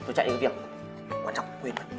tôi chạy những việc quan trọng quyền